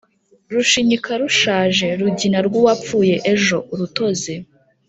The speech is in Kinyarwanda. Rushinyika rushaje Rugina rw'uwapfuye ejo-Urutozi.